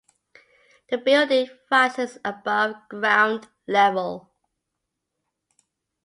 The building rises above ground level.